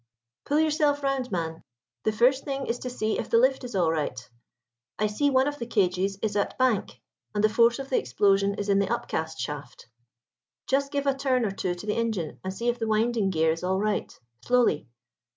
"Pull yourself round, man. The first thing is to see if the lift is all right. I see one of the cages is at bank, and the force of the explosion is in the upcast shaft. Just give a turn or two to the engine and see if the winding gear is all right. Slowly."